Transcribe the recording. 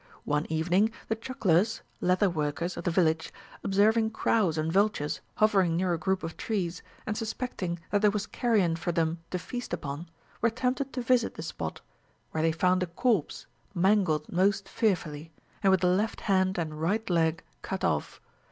One evening, the chucklers (leather workers) of the village, observing crows and vultures hovering near a group of trees, and suspecting that there was carrion for them to feast upon, were tempted to visit the spot, where they found a corpse, mangled most fearfully, and with the left hand and right leg cut off.